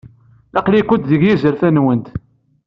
Aql-ikent deg yizerfan-nwent.